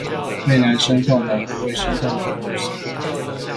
被男生告白不會心動的女生